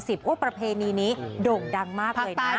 พูดถึงว่าประเพณีนี้โด่งดังมากเลยนะ